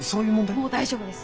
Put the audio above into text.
もう大丈夫です。